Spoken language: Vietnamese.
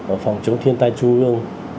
ở phòng chống thiên tai trung ương